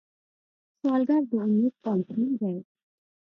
سوالګر د امید تمثیل دی